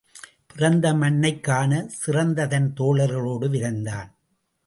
பிறந்த மண்ணைக் காணச் சிறந்த தன் தோழர்களோடு விரைந்தான்.